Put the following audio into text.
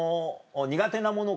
苦手なものか。